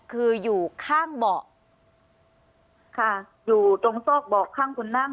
คืออยู่ข้างเบาะค่ะอยู่ตรงซอกเบาะข้างคนนั่ง